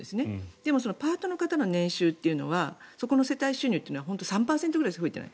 でも、パートの方の年収はそこの世帯収入というのは本当に３％ぐらいしか増えていない。